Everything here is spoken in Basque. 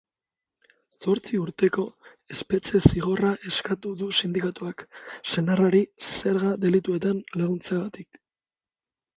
Zortzi urteko espetxe-zigorra eskatu du sindikatuak, senarrari zerga delituetan laguntzeagatik.